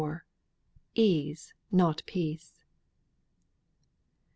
EASE NOT PEACE.